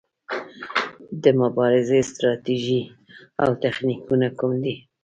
د مبارزې ستراتیژي او تخنیکونه کوم دي؟